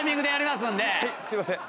すいません。